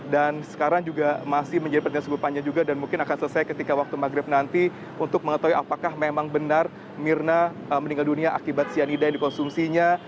dan sekarang juga masih menjadi persidangan cukup panjang juga dan mungkin akan selesai ketika waktu maghrib nanti untuk mengetahui apakah memang benar mirna meninggal dunia akibat cyanida yang dikonsumsinya